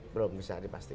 belum bisa dipastikan